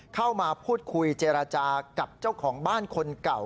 เข้ามาพูดคุยเจรจากับเจ้าของบ้านคนเก่า